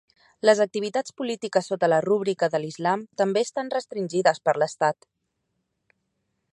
Les activitats polítiques sota la rúbrica de l'Islam també estan restringides per l'estat.